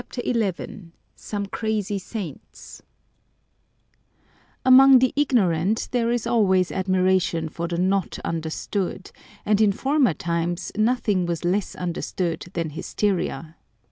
1 66 SOME CRAZY SAINTS Among the ignorant there is always admiration for the not understood, and in former times nothing was less understood than hysteria.